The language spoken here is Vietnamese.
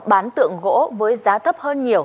bán tượng gỗ với giá thấp hơn nhiều